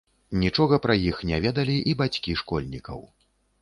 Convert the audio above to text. Нічога пра іх не ведалі і бацькі школьнікаў.